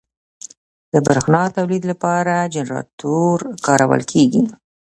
د برېښنا تولید لپاره جنراتور کارول کېږي.